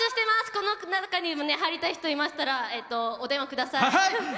この中にも入りたい方いましたらお電話ください！